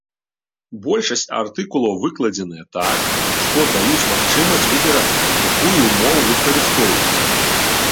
Большасць артыкулаў выкладзеныя так, што даюць магчымасць выбіраць, якую мову выкарыстоўваць.